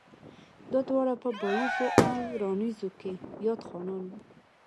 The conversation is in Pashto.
دا دواړه پۀ بائيزو او راڼېزو کښې ياد خانان وو